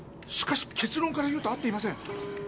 しかしけつろんから言うと会っていません。